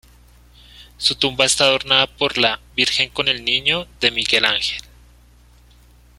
Su tumba está adornada por la "Virgen con el Niño", de Miguel Ángel.